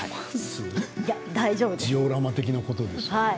ジオラマ的なことですね。